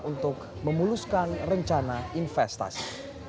untuk memuluskan rencana investasi